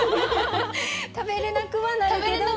食べれなくはなるけど。